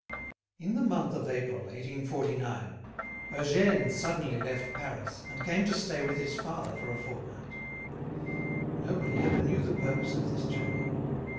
In the month of April, 1849, Eugène suddenly left Paris, and came to stay with his father for a fortnight. Nobody ever knew the purpose of this journey.